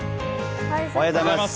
おはようございます。